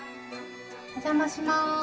お邪魔します。